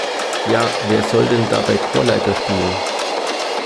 Ja, wer soll denn dabei Chorleiter spielen?